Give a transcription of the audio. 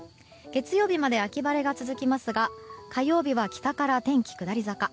月曜日まで秋晴れが続きますが火曜日は北から天気、下り坂。